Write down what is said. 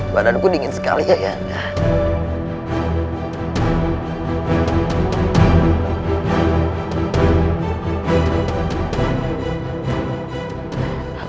badanku dingin sekali ayahan